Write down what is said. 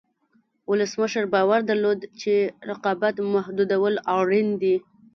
ولسمشر باور درلود چې رقابت محدودول اړین دي.